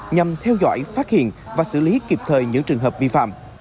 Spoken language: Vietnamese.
nhằm theo dõi phát hiện và xử lý kịp thời những trường hợp vi phạm